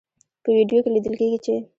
په ویډیو کې لیدل کیږي چې